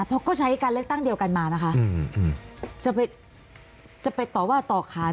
เพราะก็ใช้การเลือกตั้งเดียวกันมานะคะจะไปจะไปต่อว่าต่อขาน